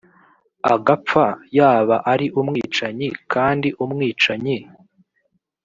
agapfa yaba ari umwicanyi kandi umwicanyi